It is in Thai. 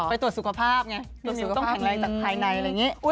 ไปตรวจสุขภาพไงต้องแข่งอะไรจากภายในอะไรอย่างนี้